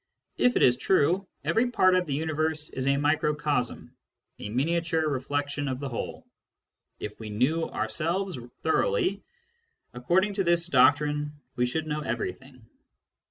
If it is true, every part of the universe is a microcosm, a miniature reflection of the whole. If we knew ourselves thoroughly, according to this doctrine, we should know everything.